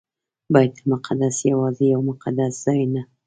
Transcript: بیت المقدس یوازې یو مقدس ځای نه.